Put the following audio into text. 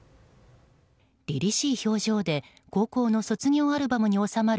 凛々しい表情で高校の卒業アルバムに収まる